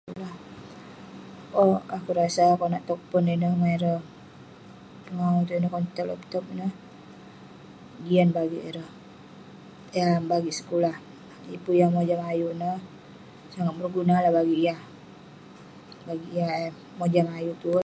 Owk..akouk rasa konak towk pon ineh, ireh pengawu itouk kan..konak towk laptop ineh, jian bagik ireh..yah bagik sekulah, pun yah mojam ayuk neh, sangat berguna lah bagik yah..bagik eh mojam ayuk tuerk..